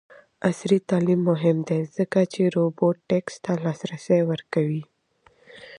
عصري تعلیم مهم دی ځکه چې روبوټکس ته لاسرسی ورکوي.